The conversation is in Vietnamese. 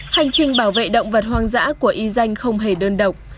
hành trình bảo vệ động vật hoang dã của y danh không hề đơn độc